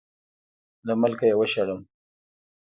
له ملکه یې وشړم.